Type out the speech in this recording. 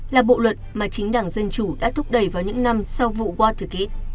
là bộ luật mà chính đảng dân chủ đã thúc đẩy vào những năm sau vụ watterkit